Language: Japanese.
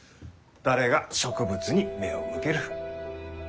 誰が植物に目を向ける？